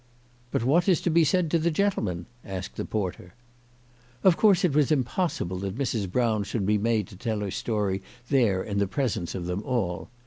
" But what is to be said to the gentleman ?" asked the porter. Of course it was impossible that Mrs. Brown should be made to tell her story there in the presence of them all.